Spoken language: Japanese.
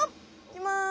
いきます。